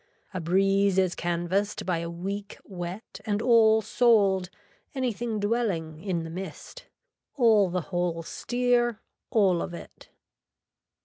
A breeze is canvassed by a week wet and all sold, anything dwelling, in the mist. All the whole steer, all of it.